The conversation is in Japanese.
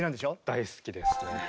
大好きですね。